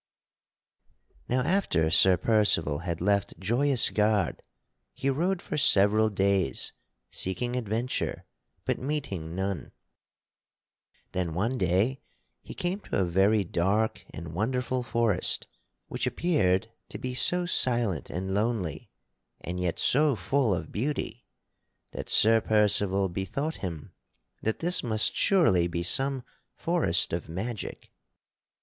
_ Now after Sir Percival had left Joyous Gard he rode for several days seeking adventure but meeting none. Then one day he came to a very dark and wonderful forest which appeared to be so silent and lonely and yet so full of beauty that Sir Percival bethought him that this must surely be some forest of magic.